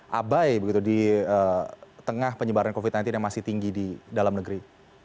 abai begitu di tengah penyebaran covid sembilan belas yang masih tinggi di dalam negeri